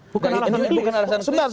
bukan alasan klise